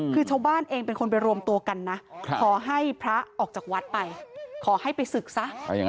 คือชาวบ้านเองเป็นคนไปรวมตัวกันนะขอให้พระออกจากวัดไปขอให้ไปศึกซะ